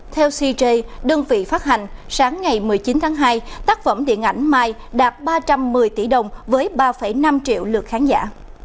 theo cj đơn vị phát hành sáng ngày một mươi chín tháng hai tác phẩm điện ảnh mai đạt ba trăm một mươi tỷ đồng với ba năm triệu lượt khán giả